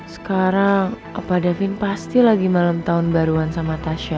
sekarang opa davin pasti lagi malem tahun baruan sama tasya